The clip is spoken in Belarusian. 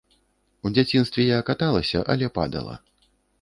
У дзяцінстве я каталася, але падала.